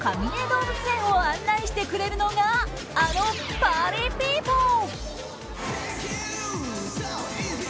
動物園を案内してくれるのがあのパーリーピーポー！